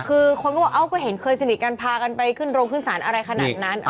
คือคนก็บอกเอ้าก็เห็นเคยสนิทกันพากันไปขึ้นโรงขึ้นศาลอะไรขนาดนั้น